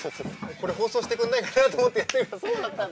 これ放送してくんないかなと思ってやってるのそうだったんだ。